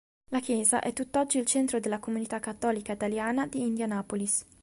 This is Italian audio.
La chiesa è tutt'oggi il centro della comunità cattolica italiana di Indianapolis.